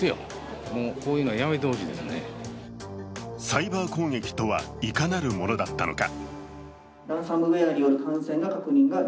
サイバー攻撃とはいかなるものだったのか。